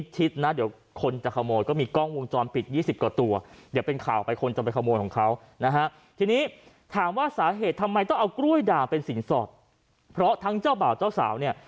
ทำไมต้องเอากล้วยด่างเป็นสินสอบเพราะทั้งเจ้าบ่าวเจ้าสาวเนี่ย